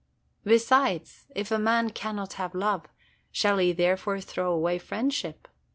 Besides, if a man cannot have love, shall he therefore throw away friendship?